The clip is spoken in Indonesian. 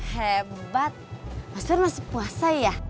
hebat mas pur masih puasa ya